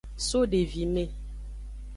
So devime.